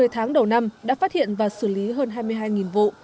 một mươi tháng đầu năm đã phát hiện và xử lý hơn hai mươi hai vụ